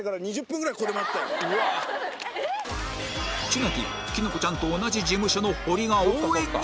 ちなていきのこちゃんと同じ事務所のホリが応援に！